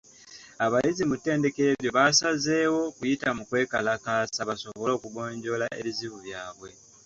Abayizi mu ttendekero eryo baasazeewo kuyita mu kwekalakaasa basobole okugonjoola ebizibu byabwe.